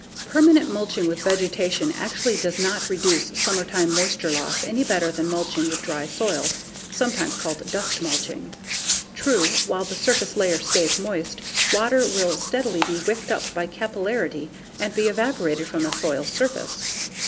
Permanent mulching with vegetation actually does not reduce summertime moisture loss any better than mulching with dry soil, sometimes called "dust mulching." True, while the surface layer stays moist, water will steadily be wicked up by capillarity and be evaporated from the soil's surface.